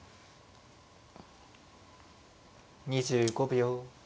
２５秒。